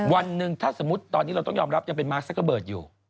วันหนึ่งถ้าสมมุติตอนนี้เราต้องยอมรับยังเป็นมาร์คซักเกอร์เบิร์ตอยู่